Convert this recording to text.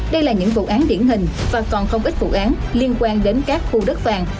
đây là những vụ án điển hình và còn không ít vụ án liên quan đến các khu đất vàng